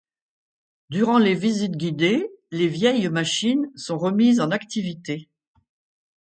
Durant les visites guidées, les vieilles machines sont remises en activité.